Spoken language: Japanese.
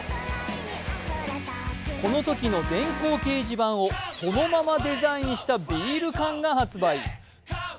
このときの電光掲示板をそのままデザインしたビール缶が発売。